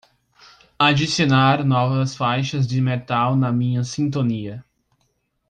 adicionar novas faixas de metal na minha sintonia